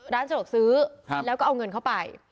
ร้านสะดวกซื้อแล้วก็เอาเงินเข้าไป